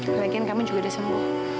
mungkin kamu juga udah sembuh